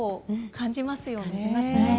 感じますね。